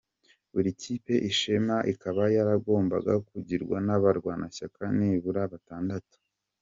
Buri Kipe Ishema ikaba yaragombaga kugirwa n’abarwanashyaka nibura batandatu.